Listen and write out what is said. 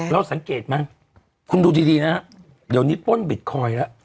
เราสังเกตมั้ยคุณดูทีนะเดี๋ยวนี้ป้นบิตคอยละ